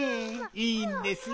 いいんですよ。